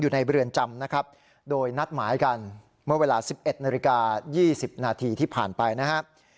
ในเรือนจำนะครับโดยนัดหมายกันเมื่อเวลา๑๑นาฬิกา๒๐นาทีที่ผ่านไปนะครับ